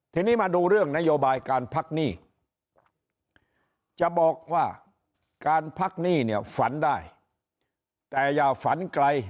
ทีนี้มาดูเรื่องนโยบายการพักหนี้จะบอกว่าการพักหนี้เนี่ยฝันได้แต่อย่าฝันไกล